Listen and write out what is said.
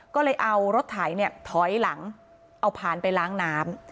ก็เลยเอารถไถเนี่ยถอยหลังเอาผ่านไปล้างน้ำ